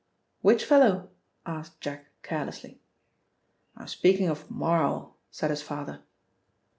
"Which fellow?" asked Jack carelessly. "I'm speaking of Marl," said his father.